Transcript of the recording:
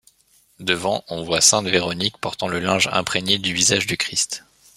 Devant, on voit sainte Véronique portant le linge imprégné du visage du Christ.